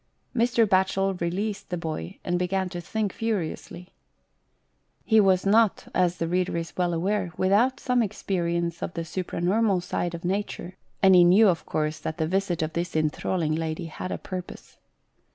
Mr. Batchel released the boy, and began to think furiously. He was not, as the reader is well aware, without some experience of the supranormal side of 80 GHOST TALES. nature, and he knew of course that the visit of this enthralling lady had a purpose.